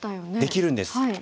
できるんです。